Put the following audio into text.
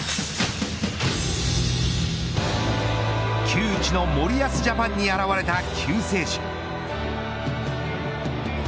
窮地の森保ジャパンに現れた救世主。